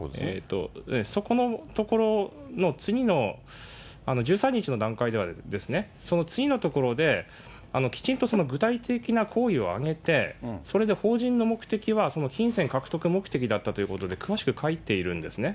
そこのところの次の１３日の段階では、その次のところできちんと具体的な行為をあげて、それで法人の目的は、金銭獲得目的だったということで、詳しく書いているんですね。